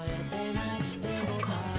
そっか。